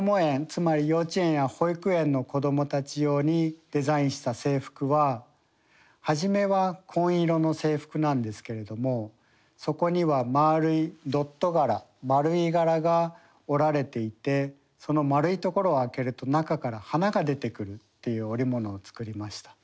つまり幼稚園や保育園の子どもたち用にデザインした制服は初めは紺色の制服なんですけれどもそこにはまるいドット柄丸い柄が織られていてその丸いところを開けると中から花が出てくるという織物を作りました。